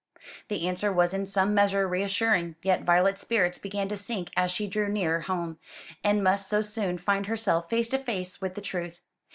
The answer was in some measure reassuring: yet Violet's spirits began to sink as she drew nearer home, and must so soon find herself face to face with the truth.